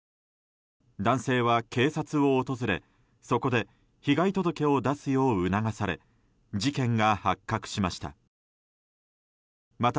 男性は、警察を訪れそこで被害届を出すよう促され事件が発覚しました。